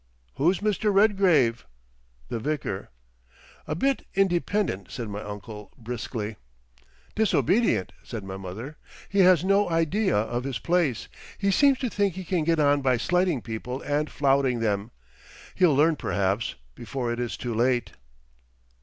"Who's Mr. Redgrave?" "The Vicar." "A bit independent?" said my uncle, briskly. "Disobedient," said my mother. "He has no idea of his place. He seems to think he can get on by slighting people and flouting them. He'll learn perhaps before it is too late."